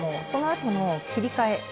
そのあとの切り替え